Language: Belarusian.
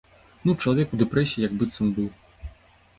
Ну, чалавек у дэпрэсіі як быццам быў.